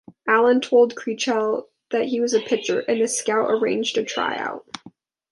Allen told Krichell that he was a pitcher, and the scout arranged a tryout.